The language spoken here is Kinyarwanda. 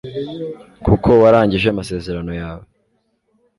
kuko warangije amasezerano yawe